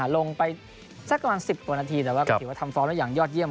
ลงไปสักกว่า๑๐ตัวนาทีแต่ว่าถือว่าทำฟอร์มด้วยอย่างยอดเยี่ยม